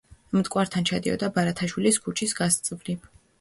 მტკვართან ჩადიოდა ბარათაშვილის ქუჩის გასწვრივ.